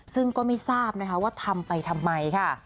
ซึ่งก็ไม่ทราบนะคะว่าทำไปทำไมค่ะ